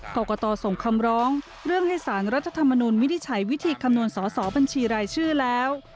กรกตส่งคำร้องเรื่องให้สารรัฐธรรมนุนวินิจฉัยวิธีคำนวณสอสอบัญชีรายชื่อแล้ว